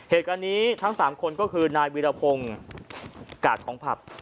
เหตุการณ์นี้ทั้ง๓คนก็คือนายวิรพงศ์กาดของผับ